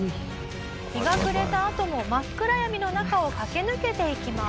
日が暮れたあとも真っ暗闇の中を駆け抜けていきます。